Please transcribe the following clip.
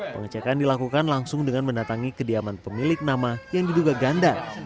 pengecekan dilakukan langsung dengan mendatangi kediaman pemilik nama yang diduga ganda